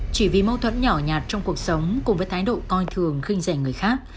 chỉ vì mâu thuẫn nhỏ nhạt trong cuộc sống cùng với thái độ coi thường khinh rẻ người khác